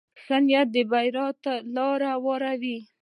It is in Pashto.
ښه نیت بریا ته لاره هواروي.